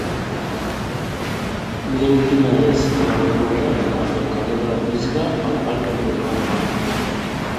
Mira'm quina és la millor manera d'anar del carrer de la Física al parc de Diagonal Mar.